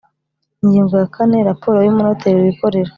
Ingingo ya kane Raporo y umunoteri wikorera